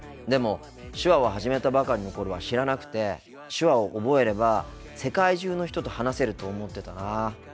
でも手話を始めたばかりの頃は知らなくて手話を覚えれば世界中の人と話せると思ってたな。